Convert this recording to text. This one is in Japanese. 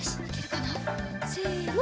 せの！